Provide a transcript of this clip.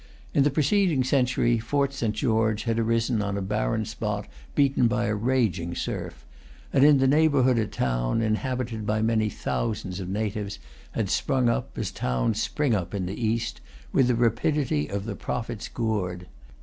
In the preceding century Fort St. George had arisen on a barren spot beaten by a raging surf; and in the neighbourhood a town, inhabited by many thousands of natives, had sprung up, as towns spring up in the East, with the rapidity of the prophet's gourd.